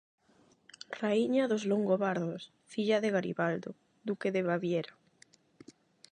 Raíña dos longobardos, filla de Garibaldo, duque de Baviera.